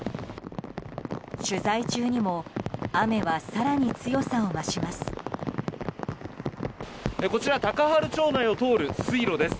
取材中にも雨は更に強さを増します。